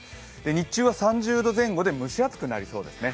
日中は３０度前後で蒸し暑くなりそうですね。